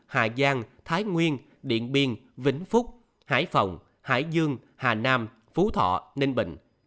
hà giang thái nguyên điện biên vĩnh phúc hải phòng hải dương hà nam phú thọ ninh bình